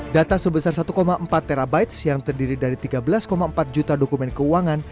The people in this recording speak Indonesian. data sebesar satu empat terabytes yang terdiri dari tiga belas empat juta dokumen keuangan